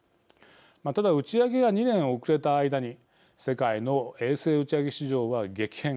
ただ、打ち上げが２年遅れた間に世界の衛星打ち上げ市場は激変。